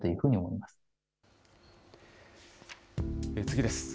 次です。